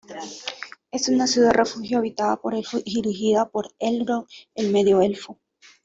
Es una ciudad-refugio habitada por Elfos y dirigida por Elrond, el Medio Elfo.